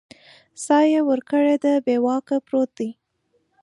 ساه یې ورکړې ده بې واکه پروت دی